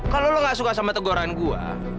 kalau lo gak suka sama teguran gua